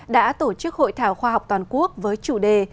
đã tổ chức hội thảo khoa học toàn quốc với chủ đề